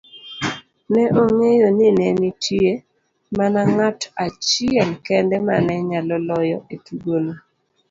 Ne ong'eyo nine nitie mana ng'at achiel kende mane nyalo loye etugono.